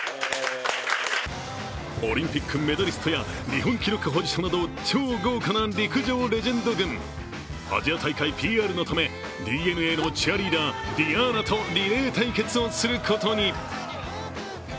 オリンピックメダリストや日本記録保持者など超豪華な陸上レジェンド軍アジア大会ＰＲのため、ＤｅＮＡのチアリーダー、ｄｉａｎａとリレー対決をすることに。